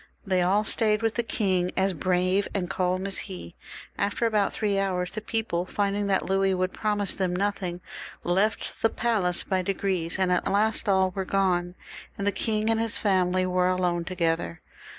They all stayed with the king, as brave and as calm as he. After about three ^ 400 THE REVOLUTION, [CH. hours, the people, finding that Louis would promise them nothing, left the palace by degrees, and at last all were gone, and the king and his family were alone together.